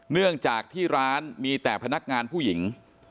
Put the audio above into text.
เนื่องจากที่ร้านมีแต่พนักงานผู้หญิง